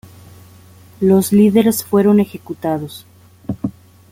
Los líderes fueron ejecutados.